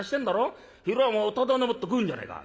昼はもう店でもって食うんじゃねえか。